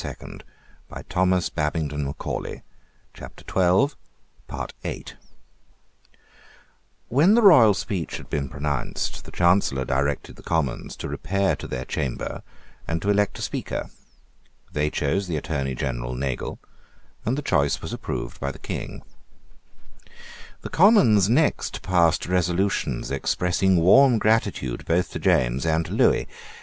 He concluded by acknowledging in warm terms his obligations to the King of France, When the royal speech had been pronounced, the Chancellor directed the Commons to repair to their chamber and to elect a Speaker. They chose the Attorney General Nagle; and the choice was approved by the King, The Commons next passed resolutions expressing warm gratitude both to James and to Lewis.